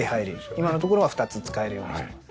今のところは２つ使えるようにしてます。